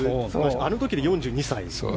あの時で４２歳で。